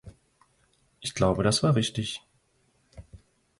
Ich glaube, das war richtig.